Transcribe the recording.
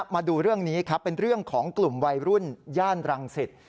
มาดูเรื่องนี้ครับเป็นเรื่องของกลุ่มวัยรุ่นย่านรังสิต